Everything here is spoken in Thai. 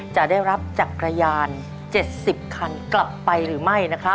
จะได้รับจักรยาน๗๐คันกลับไปหรือไม่